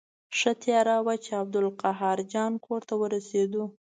ښه تیاره وه چې عبدالقاهر جان کور ته ورسېدو.